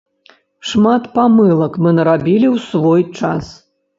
Шмат памылак мы нарабілі ў свой час.